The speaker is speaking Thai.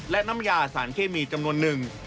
และน้ำยาสารเคมีจำนวนหนึ่ง